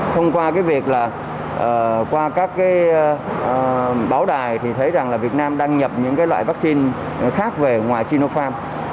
thông qua cái việc là qua các cái báo đài thì thấy rằng là việt nam đăng nhập những cái loại vaccine khác về ngoài sinofarm